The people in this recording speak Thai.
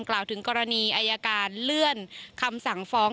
กล่าวถึงกรณีอายการเลื่อนคำสั่งฟ้อง